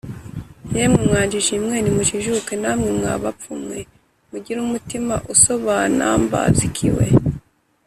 yemwe mwa njiji mwe, nimujijuke, namwe mwa bapfu mwe, mugire umutima usobanumberskiwe